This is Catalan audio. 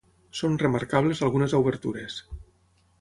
Són remarcables algunes obertures.